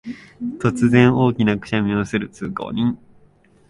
突然、大きなくしゃみをする通行人